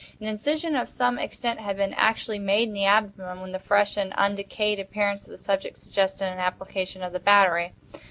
An incision of some extent had been actually made in the abdomen, when the fresh and undecayed appearance of the subject suggested an application of the battery.